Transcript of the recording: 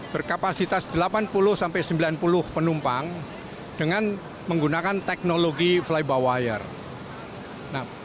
berkapasitas delapan puluh sembilan puluh penumpang dengan menggunakan teknologi fly by wire